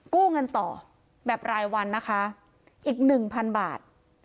กู้เงินต่อแบบรายวันนะคะอีกหนึ่งพันบาท